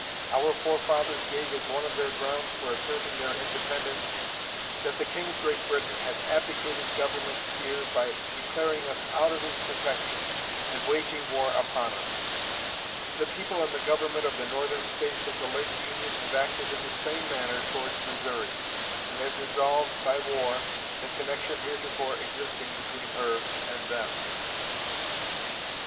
Our forefathers gave as one of their grounds for asserting their independence that the King of Great Britain had "abdicated government here by declaring us out of his protection and waging war upon us." The people and the Government of the Northern States of the late Union have acted in the same manner toward Missouri, and have dissolved, by war, the connection heretofore existing between her and them.